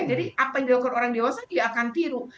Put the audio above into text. jadi apa yang dilakukan orang dewasa dia akan tiru